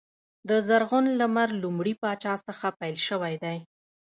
د زرغون لمر لومړي پاچا څخه پیل شوی دی.